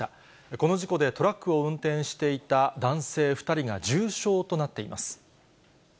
この事故でトラックを運転していた男性２人が重傷となっています。